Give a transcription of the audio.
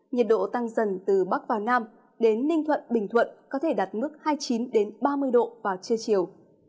nhiệt độ tăng dần từ bắc vào nam đến ninh thuận bình thuận có thể đạt mức hai mươi chín ba mươi độ vào trưa chiều